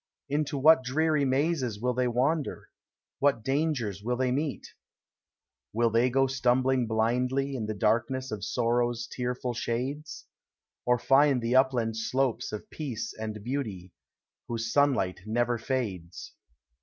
Into what dreary mazes will they wander, What dangers will they meet? Will they go stumbling blindly in the darkness Of Sorrow's tearful shades? Or find the upland slopes of Peace and Beauty, Whose sunlight never fades?